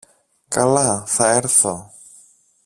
Καλά, θα έρθω.